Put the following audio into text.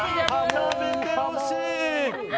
食べてほしい！